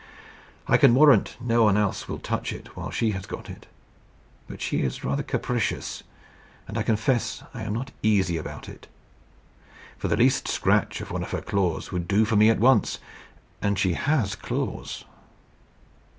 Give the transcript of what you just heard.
I can warrant no one else will touch it while she has got it. But she is rather capricious, and I confess I am not easy about it; for the least scratch of one of her claws would do for me at once. And she has claws."